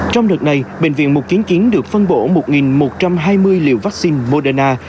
trong đợt này bệnh viện mục kiến kiến được phân bổ một một trăm hai mươi liều vaccine moderna